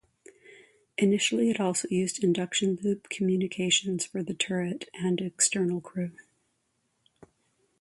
Initially, it also used induction loop communications for the turret and external crew.